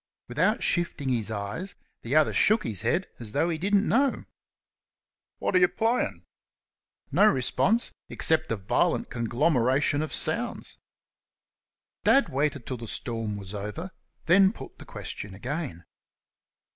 Without shifting his eyes the other shook his head as though he didn't know. "Wot are y' playin'?" No response excepting a violent conglomeration of sounds. Dad waited till the storm was over, then put the question again.